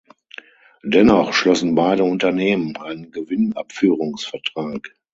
Dennoch schlossen beide Unternehmen einen Gewinnabführungsvertrag.